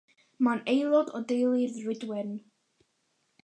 Mae'n aelod o deulu'r ddrudwen.